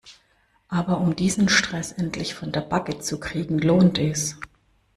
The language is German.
Aber um diesen Stress endlich von der Backe zu kriegen lohnt es.